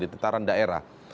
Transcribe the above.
di tataran daerah